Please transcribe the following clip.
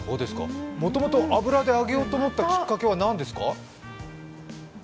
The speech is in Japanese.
もともと油で揚げようと思ったきっかけは何ですか？